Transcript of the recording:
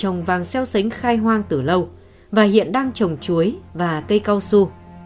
vợ chồng vàng xeo xánh khai hoang từ lâu và hiện đang trồng chuối và cây cao su